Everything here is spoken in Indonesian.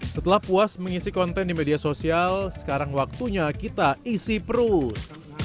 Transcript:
setelah puas mengisi konten di media sosial sekarang waktunya kita isi perut